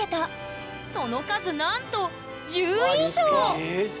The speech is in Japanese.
その数なんと１０以上！わ立派！